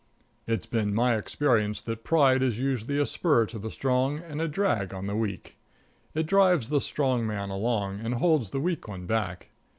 It's been my experience that pride is usually a spur to the strong and a drag on the weak. It drives the strong man along and holds the weak one back.